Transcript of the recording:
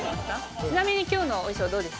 ちなみに今日のお衣装どうです？